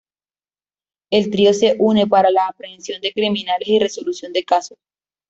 El trío, se une para la Aprehensión de Criminales y Resolución de Casos.